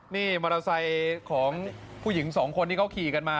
นี่มอเตอร์ไซค์ของผู้หญิงสองคนที่เขาขี่กันมา